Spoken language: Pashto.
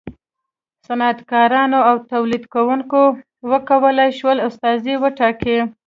صنعتکارانو او تولیدوونکو و کولای شول استازي وټاکي.